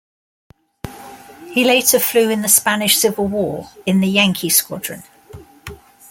He later flew in the Spanish Civil War in the Yankee Squadron.